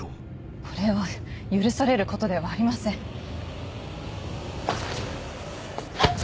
これは許されることではありあっ！